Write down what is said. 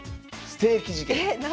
ステーキ事件。